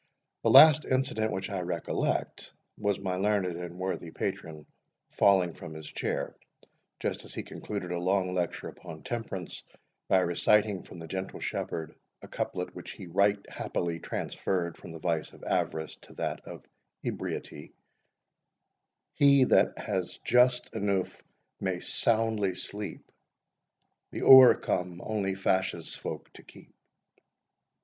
The last incident which I recollect, was my LEARNED AND WORTHY patron falling from his chair, just as he concluded a long lecture upon temperance, by reciting, from the "Gentle Shepherd," a couplet, which he RIGHT HAPPILY transferred from the vice of avarice to that of ebriety: He that has just eneugh may soundly sleep, The owercome only fashes folk to keep.